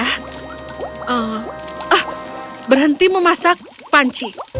ah berhenti memasak panci